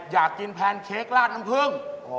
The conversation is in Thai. อยากกินแพนเค้กลาดน้ำผึ้ง